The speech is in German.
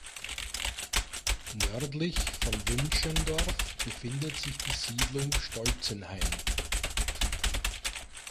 Nördlich von Wünschendorf befindet sich die Siedlung Stolzenhain.